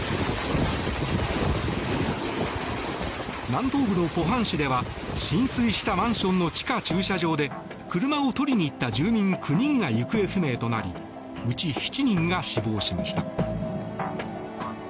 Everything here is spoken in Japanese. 南東部の浦項市では、浸水したマンションの地下駐車場で車を取りに行った住民９人が行方不明となりうち７人が死亡しました。